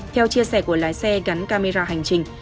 theo chia sẻ của lái xe gắn camera hành trình